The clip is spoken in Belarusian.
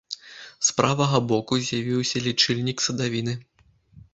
З правага боку з'явіўся лічыльнік садавіны.